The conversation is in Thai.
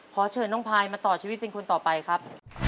ขอเชิญน้องพายมาต่อชีวิตเป็นคนต่อไปครับ